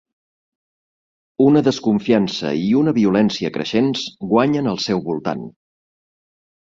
Una desconfiança i una violència creixents guanyen el seu voltant.